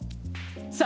さあ